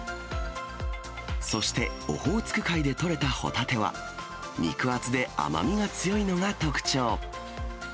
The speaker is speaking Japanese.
そして、オホーツク海で取れたホタテは、肉厚で甘みが強いのが特徴。